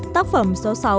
tác phẩm số sáu anh tử hà nội